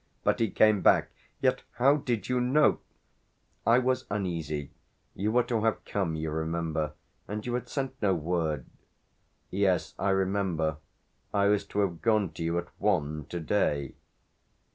But he came back. "Yet how did you know ?" "I was uneasy. You were to have come, you remember and you had sent no word." "Yes, I remember I was to have gone to you at one to day."